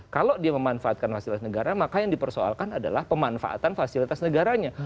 kalau dia memanfaatkan fasilitas negara maka yang dipersoalkan adalah pemanfaatan fasilitas negaranya